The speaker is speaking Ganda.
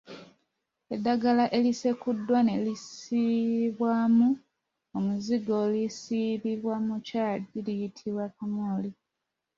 Eddagala erisekuddwa ne lisibwamu omuzigo ne lisibibwa mu kyayi liyitibwa kamooli.